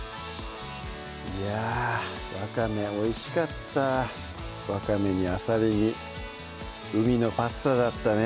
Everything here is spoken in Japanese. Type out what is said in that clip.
いやわかめおいしかったわかめにあさりに海のパスタだったね